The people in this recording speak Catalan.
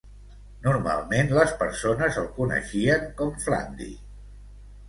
Normalment les persones el coneixien com Flandy.